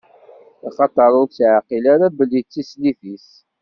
Axaṭer ur tt-iɛqil ara belli d tislit-is.